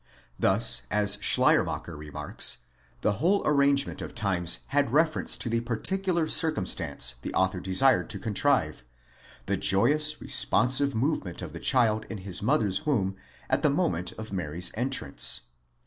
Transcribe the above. Thus, as Schleiermacher remarks,' the whole arrangement of times had reference to the particular circumstance the author desired to contrive—the joyous responsive movement of the child in his mother's womb at the moment of Mary's entrance.